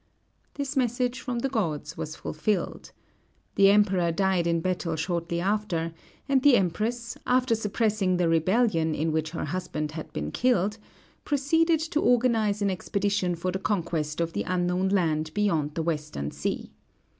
This message from the gods was fulfilled. The Emperor died in battle shortly after, and the Empress, after suppressing the rebellion in which her husband had been killed, proceeded to organize an expedition for the conquest of the unknown land beyond the western sea.